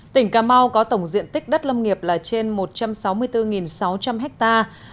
tỉnh cà mau có tổng diện tích đất lâm nghiệp là trên một trăm sáu mươi bốn sáu trăm linh hectare